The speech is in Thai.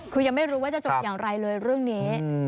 คือยังไม่รู้ว่าจะจบอย่างไรเลยเรื่องนี้